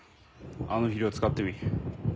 あの肥料使ってみ。